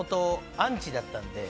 アンチだったんです僕。